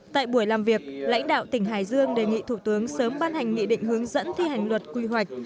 tại buổi làm việc lãnh đạo tỉnh hải dương đề nghị thủ tướng sớm ban hành nghị định hướng dẫn thi hành luật quy hoạch